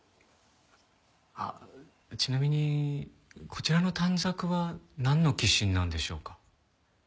あっちなみにこちらの短冊はなんの寄進なんでしょうか？